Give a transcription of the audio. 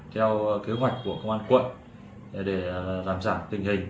theo kế hoạch của công an quận để giảm giảm tình hình